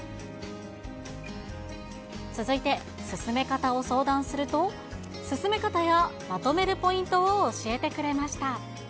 続いて、進め方を相談すると、進め方やまとめるポイントを教えてくれました。